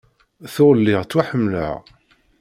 Tuɣ lliɣ ttwaḥemmleɣ.